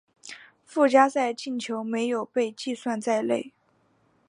附加赛进球没有被计算在内。